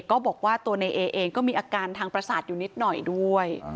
ก็บอกว่าตัวในเอเองก็มีอาการทางประสาทอยู่นิดหน่อยด้วย